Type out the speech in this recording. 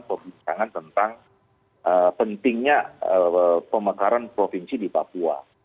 pembicaraan tentang pentingnya pemekaran provinsi di papua